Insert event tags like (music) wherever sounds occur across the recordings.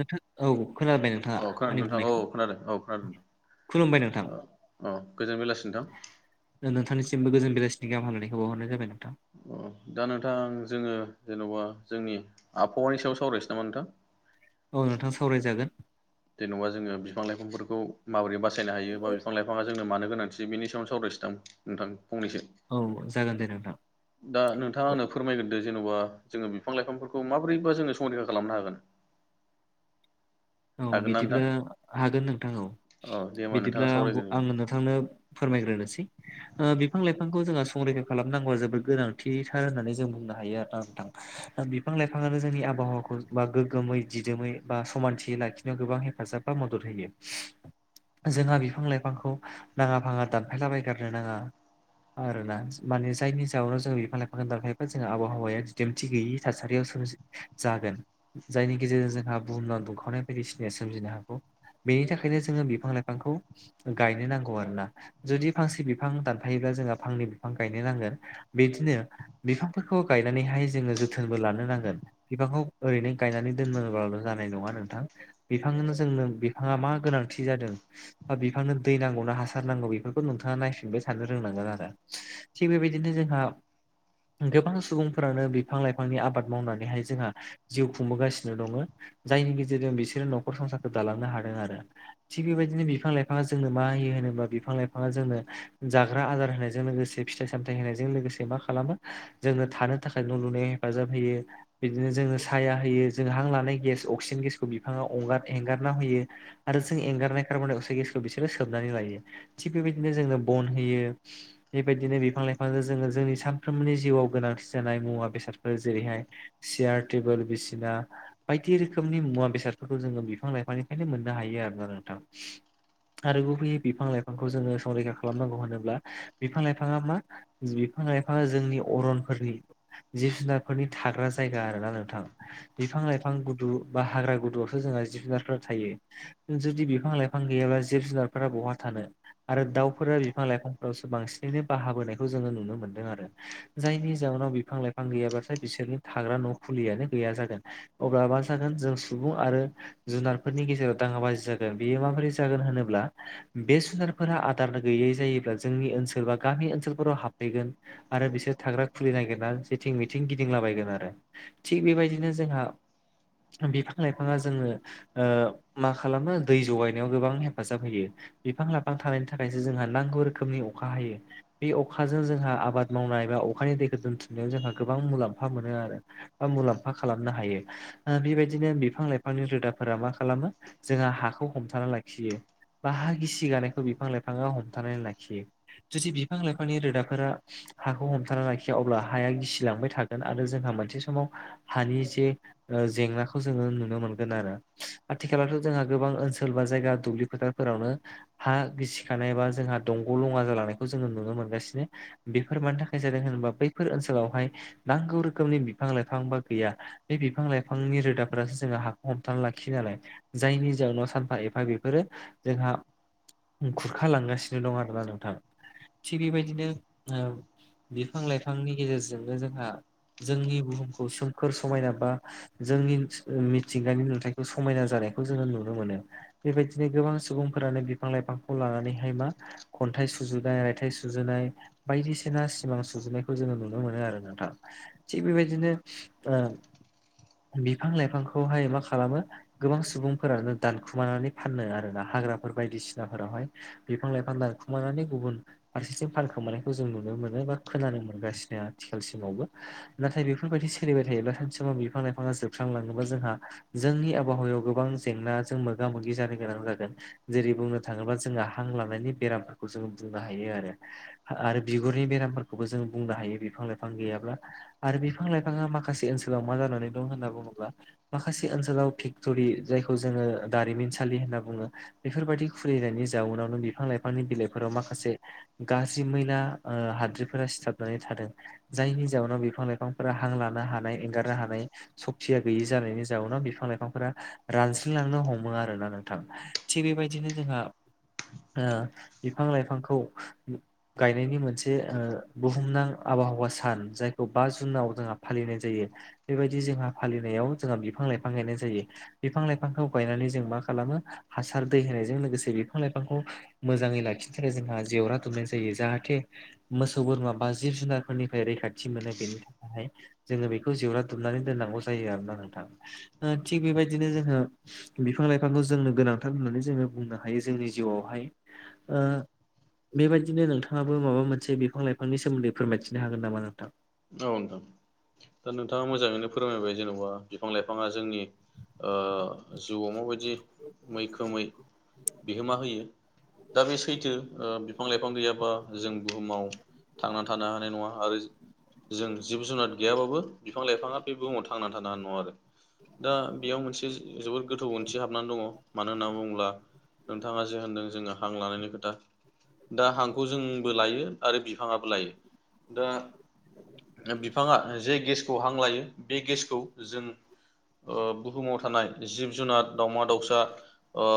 नोंथां औ खोनाबाय नों औ खोनादों नोंथां औ खोनादों औ खोनादों खुलुमबाय नोंथां नों औ औ गोजोन बेलासि नोंथां नो-नोंथांनिसिमबो गोजोन बेलासिनि हामलानायखौ बावहरनाय जाबाय नोंथां। अ दा नोंथां जोङो जेन'बा जोंनि आबहावानि सायाव सावरायसै नामा नोंथां? औ नोंथां सावरायजागोन जेन'बा जोङो बिफां लाइफांफोरखौ माबोरै बासायनो हायो बा बिफां लाइफाङा जोंनो मानो गोनांथि बेनि सायाव सावरायनोसैदां नोंथां फंनैसो औ जागोन दे नोंथां। दा नोंथाङा आंनो फोरमायगोरदो जेन'बा जोङो बिफां लाइफांफोरखौ माबोरैबा जोङो संरैखा खालामनो हागोन? औ हागोन ना बिदिब्ला नोंथां हागोन नोंथां औ औ दे होमबा नोंथाङा बिदिब्ला आं बुं सावरायग्रोदो दे आं नो थांनो फोरमायग्रोनोसै। ओ बिफां लाइफांखौ जोंहा संरैखा खालामनांगौआ जोबोद गोनांथिथार होननानै जों बुंनो हायो आरोना नोंथां बिफां लाइफाङाआनो जोंनि आबहावाखौ बा गोग्गोमै दिदोमै बा समानथि दि लाखिनायाव गोबां हेफाजाब बा मदद होयो। जोंहा बिफां लाइफांखौ नाङा फाङा दानफायलाबायगारनो नाङा आरोना माने जायनि जाउनाव जों बिफां लाइफां दानफायोबा जोंङो आबहावाया दिदोमथि गैयि थासारियाव सोम जागोन जायनि गेजेरजों जोंहा बुहुमना दुंखाव खावनाय बायदिसिनाया सोमजिनो हागौ बेनि थाखायनो जोंङो बिफां लाइफांखौ गायनो नांगौ आरो ना। जुदि फांसे बिफां दानफायोब्ला जोंहा फांनै बिफां गायनो नांगोन बिदिनो बिफांफोरखौ गायनानैहाय जोंङो जोथोनबो लानो नांगोन‌ बिफांखौ ओरैनो गायनानै दोनोबाल' जानाय नङा थां बिफांनो जोंनो बिफाङा मा गोनांथि जादों। बा बिफांनो दै नांगौ ना हासार नांगौ बेफोरखौ नोंथाङा नायफिनबाय थानो रोंनांगोन आरो। थिग बेबायदिनो जोंहा गोबां सुबुंफोरानो बिफां लाइफांनि आबाद मावनानैहाय जोंहा जिउ खुंबोगासिनो दङो जायनि गेजेरजों बिसोरो नखर संसारखौ दालांनो हागोन आरो। थिग बेबायदिनो बिफां लाइफाङा जोंनो मा होयो होनोबा बिफां लाइफाङा जोंनो जाग्रा आदार होनायजों लोगोसे फिथाइ सामथाइ होनायजों लोगोसे मा खालामो जोंनो थानो थाखाय न' लुनायाव हेफाजाब होयो बिदिनो जोङो साया होयो जों हां लानाय गेस अक्सिजेन गेस बिफाङा अंगार एंगारना होयो आरो जों एंगारनाय कार्बनडाइ अक्साइड गेसखौ बिसोरो सोबनानै लायो। थिग बेबायदिनो जोंनो बन होयो। बेबायदिनो बिफां लाइफांजों जोंङो जोंनि सानफ्रोमबोनि जिउआव गोनांथि जानाय मुवा बेसादफोर जेरैहाय सियार टेबोल बिसिना बायदि रोखोमनि मुवा बेसादफोरखौ जोंङो बिफां लाइफांनिफ्रायनो मोननो हायो आरोना नोंथां। आरो गुबैयै बिफां लाइफांखौ जोंङो संरैखा खालामनांगौ होनोब्ला बिफां लाइफाङा मा बिफां लाइफाङा जोंनि अरनफोरनि जिब जुनारफोरनि थाग्रा जायगा आरो ना नोंथां बिफां लाइफां गुदु बा हाग्रा गद'आवसो जोंहा जिब जुनारफोरा थायो। जुदि बिफां लाइफां गैयाब्ला जिब जुनारफोरा बहा थानो। आरो दाउफोरा बिफां लाइफांफोरावसो बांसिनैनो बाहाबोनायखौ जोंङो नुनो मोनदों आरो। जायनि जाहोनाव बिफां लाइफां गैयाब्लाथाय बिसोरनि थाग्रा न' खुलियानो गैया जागोन। अब्ला मा जागोन जों सुबुं आरो जुनारफोरनि गेजेराव दाङाबाजि जागोन। बेयो माबोरै जागोन होनोब्ला बे जुनारफोरा आदार गैयै जायोब्ला जोंनि ओनसोल बा गामि ओनसोलफोराव हाबफैगोन। आरो बिसोर थाग्रा खुलि नागिरा जेथिं मिथिं गिदिंलाबायगोन आरो। थिग बेबायदिनो जोंहा बिफां लाइफाङा जोंनो ओ मा खालामो दै जगायनायाव गोबां हेफाजाब होयो। बिफां लाइफां थानायनि थाखायसो जोंहा नांगौ रोखोमनि अखा हायो। बे अखाजों जोंहा आबाद मावनाय बा अखानि दैखौ दोनथुमनायाव जोंहा गोबां मुलाम्फा मोनो आरो। बा मुलाम्फा खालामनो हायो ओ बेबायदिनो बिफां लाइफांनि रोदाफोरा मा खालामो जोंहा हाखौ हमथाना लाखियो। बा हा गिसि गानायखौ बिफां लाइफाङा हमथानानै लाखियो। जुदि बिफां लाइफांनि रोदाफोरा हाखौ हमथाना लाखिया अब्ला हाया गिसिलांबाय थागोन। आरो जोंहा मोनसे समाव हानि जे ओ जेंनाखौ जोंङो नु नुनो मोनगोन आरो आथिखालावथ' जोंहा गोबां ओनसोल बा जायगा दुब्लि फोथारफोरावनो हा गिसिखानाय बा जोंहा दंग' लङा जालांनायखौ जोंङो नुनो मोनगासिनो। बेफोर मानि थाखाय जादों होनोबा बैफोर ओनसोलावहाय नांगौ रोखोमनि बिफां लाइफां बा गैया बे बिफां लाइफांनि रोदाफोरा जोंङो हाखौ हमथा लाखियो नालाय‌। जायनि जाउनाव सानफा एफा बेफोरो जोंहा खुरखालांगासिनो दं आरोना नोंथां। थिग बेबायदिनो ओ बिफां लाइफांनि गेजेरजों जोंनो जोंहा जोंनि बुहुमखौ सोमखोर समायना बा जोंनि मिथिंगानि नुथायखौ समायना जानायखौ जोंङो नुनो मोनो। बेबायदिनो गोबां सुबुंफोरानो बिफां लाइफांखौ लानानैहाय मा खन्थाइ सुजुनाय रायथाइ सुजुनाय बायदिसिना सिमां सुजुनायखौ जोङो नुनो मोनो आरो नोंथा थिग बेबायदिनो ओ बिफां लाइफांखौहाय मा खालामो गोबां सुबुंफोरानो दानखुमानानै फानो आरो ना हाग्राफोर बायदिसिनाफोरावहाय बिफां-लाइफां दानखुमायनानै गुबुन फारसेथिं फानखोमानायखौ जों नुनो मोनो बा खोनानो मोनगासिनो आथिखालसिमावबो नाथाय बेफोरबायदि सोलिबाय थायोब्ला सानसे समाव बिफां लाइफाङा जोबस्रांलांगोन (unintelligible) जोंहा जोंनि आबहावायाव गोबां जेंनाजों मोगा मोगि जानो गोनां जागोन। जेरै बुंनो थाङोब्ला जोंहा हां लानायनि बेरामफोरखौ जों बुंनो हायो आरो आरो बिगुरनि बेरामफोरखौबो जों बुंनो हायो बिफां लाइफां गैयाब्ला आरो बिफां लाइफाङा माखासे ओनसोलाव मा जानानै दं होनना बुङोब्ला माखासे ओनसोलाव फेक्ट'रि जायखौ जोंङो दारिमिनसालि होनना बुङो। बेफोरबायाददि खुलिनायनि जाउनावनो बिफां लाइफांनि बिलाइफोराव माखासे गाज्रि मैना ओ हाद्रिफोरा सिथाबनानै थादों‌ जायनि जाहोनाव बिफां लाइफांफोरा हां लानो हानाय एंगारनो हानाय सक्तिया गैयि जानायनि जाउावनोाव बिफां लाइफांफोरा रानस्रिलांनो हमो आरोना नोंथां। थिग बेबायदिनो जोंहा ओ बिफां लाइफांखौ गायनायनि मोनसे ओ बुहुमनां आबहावा सान जायखौ बा जुनाव जोंहा फालिनाय जायो। बेबायदि जोंहा फालिनायाव जोंहा बिफां लाइफां गायनाय जायो। बिफां लाइफांखौ गायनानै जों मा खालामो हासार दै होनायजों लोगोसे बिफां लाइफांखौ मोजाङै लाखिनो थाखाय जोंहा जेवरा दुमनाय जायो जाहाथे मोसौ बोरमा बा जिब-जुनारफोरनिफ्राय रैखाथि मोनो बेनि थाखायहाय जोङो बेखौ जेवरा दुमनानै दोननांगौ जायो आरोना नोंथां ओ थिग बेबायदिनो जोङो बिफां-लाइफांखौ जोंनो गोनांथार होननानै जोङो बुंनो हायो जोंनि जिउआवहाय ओ बेबायदिनो नोंथाङाबो माबा मोनसे बिफां लाइफांनि सोमोन्दै फोरमायथिनो हागोन नामा नोंथां? औ नोंथां दा नोंथाङा मोजाङैनो फोरमायबाय जेन'बा बिफां लाइफाङा जोंनि ओ जिउआव माबायदि मैखोमै बिहोमा होयो दा बे सैथो ओ बिफां-लाइफां गैयाबा जों बुहुमाव थांना थानो हानाय नङा आरो जों जिब जुनार गैयाबाबो बिफां लाइफाङा बे बुहुमाव थांना थानो हानाय नङा आरो दा बेयाव मोनसे जोबोद गोथौ ओंथि हाबनानै दङ मानो होनना बुंब्ला नोंथाङा जे होनदों जोङो हां लानायनि खोथा दा हांखौ जोंबो लायो आरो बिफाङाबो लायो दा बिफांङा जे गेसखौ हां लायो बे गेसखौ जों ओ बुहुमाव थानाय जिब जुनार दाउमा दाउसा ओ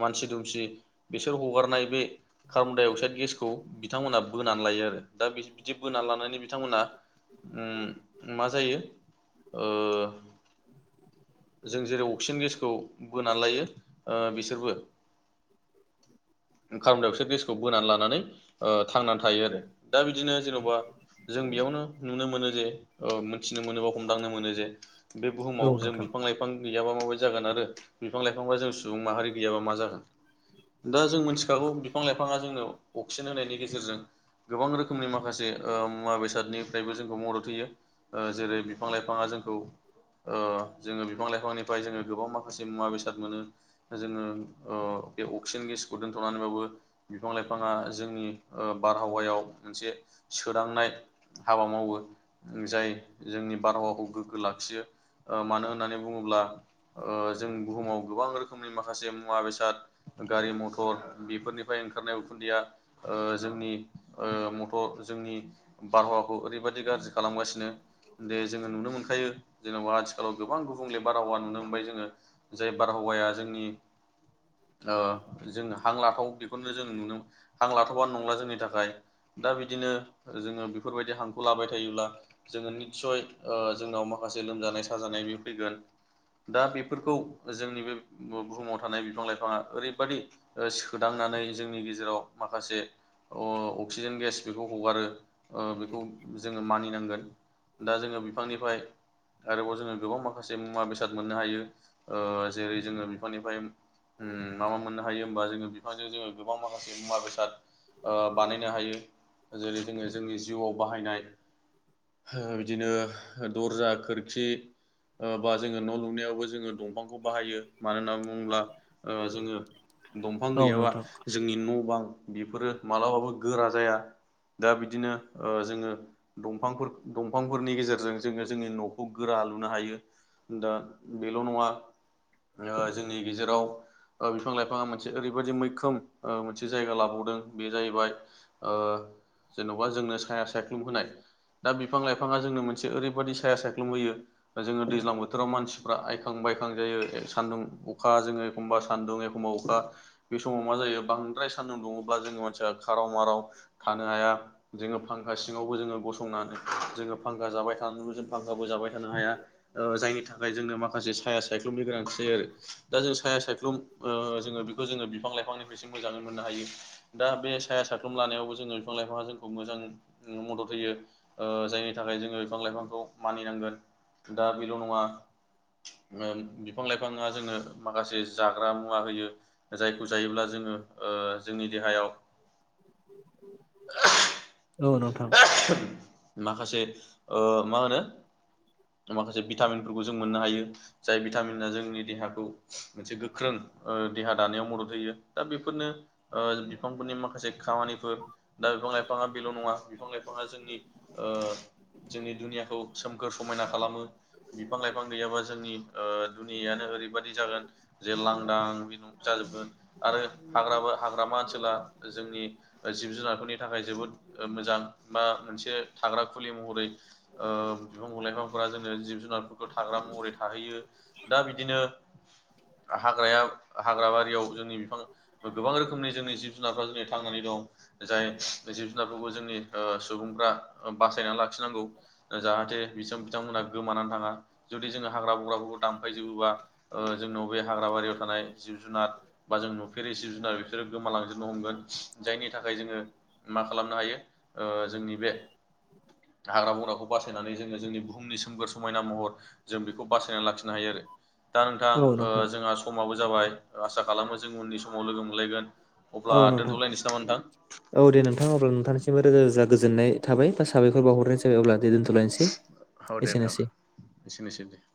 मानसि दुमसि बिसोर हगारनाय बे कार्बनडाइ अक्साइद गेसखौ बिथांमोना बोनानै लायो आरो दा बि बिदि बोना लानानै बिथांमोना उ मा जायो ओ जों जेरै अक्सिजेन गेसखौ बोनानै लायो ओ बिसोरबो (inaudible) कार्बन्डाइ अक्साइद गेसखौ बोनानै लानानै ओ थांनानै थायो आरो दा बिदिनो जेन'बा जों बेयावनो नुनो मोनो जे ओ मोनथिनो मोनो बा हमदांनो मोनो जे बे औ बुहुमाव जों नोंथां बिफां लाइफ बिफां गैयाबा माबायदि जागोन आरो बिफां लाइफांफा जों सुबुं माहारि गैयाबा मा जागोन दा जों मिथिखागौ बिफां लाइफाङा जोंनो अक्सिजेन होनायनि गेजेरजों गोबां रोखोमनि माखासे ओ मुवा बेसादनिफ्रायबो जोंखौ मदद होयो ओ जेरै बिफां लाइफांङा जोंखौ ओ जोङो बिफां लाइफांनिफ्राय जोङो गोबां माखासे मुवा बेसाद मोनो जोङो ओ बे अक्सिजेन गेसखौ दोनथ'नानैबाबो बिफां लाइफाङा जोंनि ओ बारहावायाव मोनसे सोदांनाय हाबा मावो जाय जोंनि बारहावाखौ गोग्गो लाखियो ओ मानो होननानै बुंङोब्ला ओ जों बुहुमाव गोबां रोखोमनि माखासे मुवा बेसाद गारि मटर बेफोरनिफ्राय ओंखारनाय उखुन्दैया ओ जोंनि ओ मटर जोंनि बारहावाखौ ओरैबायदि गाज्रि खालामगासिनो। दे जोंङो नुनो मोनखायो जेनेबा आथिखालाव गोबां गुबुंले बारहावा नुनो मोनबाय जोंङो। जाय बारहावाया जोंनि ओ जोंङो हां लाथाव बेखौनो जों नुनो हां लाथावानो नंला जोंनि थाखाय। दा बिदिनो जोङो बेफोरबायदि हांखौ लाबाय थायोब्ला जोङो निस्सय ओ जोंनाव माखासे लोमजानाय साजानाय बे फैगोन दा बेफोरखौ जोंनि बे बुहुमाव थानाय बिफां-लाइफांङा ओरैबादि ओ सोदांनानै जोंनि गेजेराव माखासे अ अक्सिजेन गेस बेखौ हगारो ओ बेखौ जोङो मानिनांगोन दा जोङो बिफांनिफ्राय आरोबाव जोङो गोबां माखासे मुवा बेसाद मोननो हायो ओ जेरै जोंङो बिफांनिफ्राय उ मा मा मोननो हायो होमबा जोंङो बिफांजों जोङो गोबां माखासे मुवा बेसाद ओ बानायनो हायो। जेरै जोङो जोंनि जिउआव बाहायनाय बिदिनो दरजा, खोरखि ओ बा जोंङो न' लुनायावबो जोंङो दंफांखौ बाहायो। मानो होनना बुंङोब्ला ओ जोंङो दंफां औ गैयाबा नोंथां जोंनि न' बां बेफोरो मालाबाबो गोरा जाया। दा बिदिनो ओ जोङो दंफांफोर दंफांफोरनि गेजेरजों जोङो जोंनि न'खौ गोरा लुनो हायो। दा बेल' नङा ओ जोंनि गेजेराव ओ बिफां लाइफाङा मोनसे ओरैबायाददि मैखोम ओ मोनसे जायगा लाबावदों बे जाहैबाय ओ जेन'बा जोंनो साया सायख्लुम होनाय। दा बिफां लाइफाङा जोंनो मोनसे ओरैबादि साया सायख्लुम होयो ओ जोङो दैज्लां बोथोराव मानसिफ्रा आइखां बायखां जायो सान्दुं अखा जोङो एखमबा सान्दुं एखमबा अखा बे समाव मा जायो बांद्राय सान्दुं दुङोला जोंनि मानसिया खाराव माराव थानो हाया। जोङो फांखा सिङावबो जोङो गसंनानै जोङो फांखा जाबाय थानानैबो जों फांखाबो जाबाय थानो हाया। ओ जायनि थाखाय जोंनो माखासे साया सायख्लुमनि गोनांथि जायो आरो। दा जों साया सायख्लुम ओ जोङो बेखौ जोङो बिफां लाइफांनिफ्रायसिम मोजाङै मोननो हायो। दा बे साया सायख्लुम लानायावबो जोङो बिफां लाइफां जों खौ मोजां मदद होयो ओ जायनि थाखाय जोङो बिफां लाइफांखौ मानिनांगोन। दा बेल' नङा ओ बिफां लाइफाङा जोंनो माखासे जाग्रा मुवा होयो। जायखौ जायोब्ला जोङो ओ जोंनि देहायाव औ नोंथां। माखासे ओ मा होनो माखासे भिटामिनफोरखौ जों मोननो हायो। जाय भिटामिना जोंनि देहाखौ मोनसे गोख्रों ओ देहा दानायाव मदद होयो। दा बेफोरनो ओ बिफांफोरनि माखासे खामानिफोर दा बिफां लाइफाङा बेल' नङा बिफां लाइफाङा जोंनि ओ जोंनि दुनियाखौ सोमखोर समायना खालामो। बिफां लाइफां गैयाबा जोंनि ओ दुनियानो ओरैबादि जागोन जे लांदां बे न' जाजोबगोन आरो हाग्राबा हाग्रामा ओनसोला जोंनि ओ जिब जुनारफोरनि थाखाय जोबोद ओ मोजां बा मोनसे थाग्रा खुलि महरै ओम बिफां लाइफांफोरा जोंङो जिब जुनारफोरखौ थाग्रा महरै थाहैयो। दा बिदिनो हाग्रायाव हाग्रा बारियाव जोंनि बिफां ओ गोबां रोखोमनि जोंनि जिब जुनारफ्रा जोंनि थांनानै दं। जाय जिब जुनारफोरखौ जोंनि ओ सुबुंफ्रा ओ बासायना लाखि नांगौ। ओ जाहाथे बिसोम बिथांमोनहा गोमानानै थाङा। जुदि जोङो हाग्रा बंग्राफोरखौ दानफाय जोबोबा ओ जोंनाव बे हाग्र बारियाव थानाय जिब जुनार बा जों नुफेरि जिब जुनार बिसोरो गोमालांजोबनो हमगोन। जायनि थाखाय जोङो मा खालामनो हायो? ओ जोंनि बे हाग्रा बंग्राखौ बासायनानै जोङो जोंनि बुहुमनि सोमगोर समायना महर जों बेखौ बासायनानै लाखिनो हायो आरो। दा नोंथां औ ओ नोंथां जोंहा समाबो जाबाय आसा खालामो जों उननि समाव लोगो मोनलायगोन। औ अब्ला नोंथां दोन्थ'लायनोसै नामा नोंथां? औ दे नोंथां अब्ला नोंथांनिमबो रोजा रोजा गोजोननाय थाबाय साबायखर बावहरनाय जाबाय अब्ला दे दोन औ देदा एसेनोसै दे।